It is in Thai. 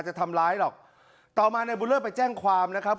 จะทำร้ายหรอกต่อมานายบุญเลิศไปแจ้งความนะครับ